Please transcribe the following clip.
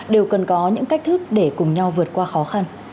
đều cần có những cách thức để cùng nhau vượt qua khó khăn